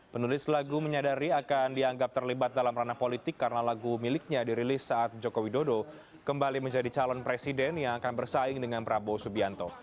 penulis lagu menyadari akan dianggap terlibat dalam ranah politik karena lagu miliknya dirilis saat jokowi dodo kembali menjadi calon presiden yang akan bersaing dengan prabowo subianto